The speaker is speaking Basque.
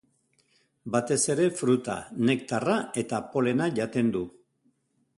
Batez ere fruta, nektarra eta polena jaten du.